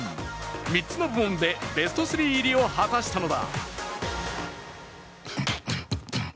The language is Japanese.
３つの部門でベスト３入りを果たしたのだ。